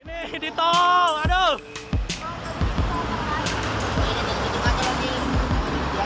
ini di tol aduh